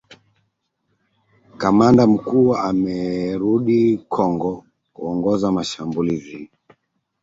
Kamanda mkuu amerudi Kongo kuongoza mashambulizi